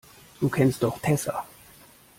Du kennst doch Tessa.